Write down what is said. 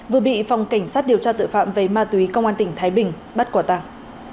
vừa bị phòng cảnh sát điều tra tội phạm về ma túy công an tỉnh thái bình bắt quả tàng